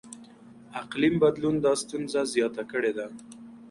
اقلیم بدلون دا ستونزه زیاته کړې ده.